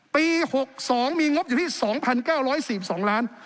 ปี๖๒มีงบอยู่ที่๒๙๔๒ล้าน